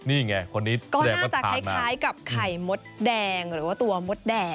นี่ไงคนนี้ก็น่าจะคล้ายกับไข่มดแดงหรือว่าตัวมดแดง